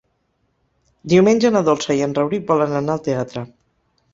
Diumenge na Dolça i en Rauric volen anar al teatre.